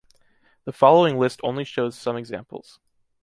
The following list only shows some examples.